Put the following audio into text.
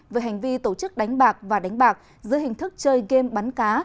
về hành vi tổ chức đánh bạc và đánh bạc dưới hình thức chơi game bắn cá